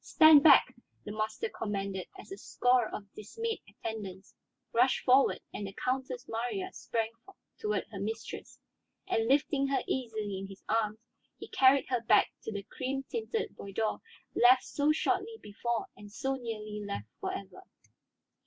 "Stand back!" the master commanded as a score of dismayed attendants rushed forward and the Countess Marya sprang toward her mistress. And lifting her easily in his arms, he carried her back to the cream tinted boudoir left so shortly before and so nearly left for ever.